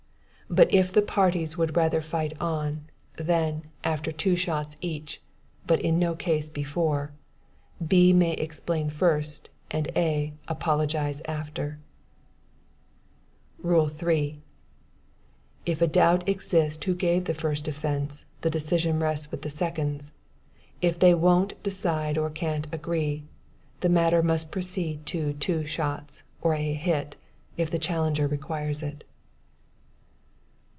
But if the parties would rather fight on: then, after two shots each, (but in no case before,) B. may explain first, and A. apologize afterward. "Rule 3. If a doubt exist who gave the first offence, the decision rests with the seconds; if they won't decide or can't agree, the matter must proceed to two shots, or a hit, if the challenger requires it.